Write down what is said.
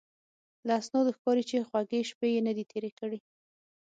له اسنادو ښکاري چې خوږې شپې یې نه دي تېرې کړې.